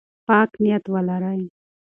پاک نیت ولرئ.